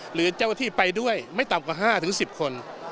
หรือเจ้าหน้าที่ไปด้วยไม่ต่ำกว่า๕๑๐คน